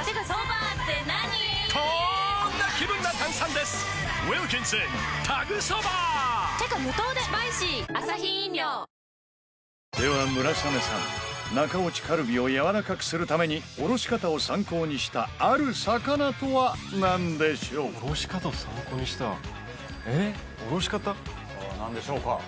さぁ何でしょうか？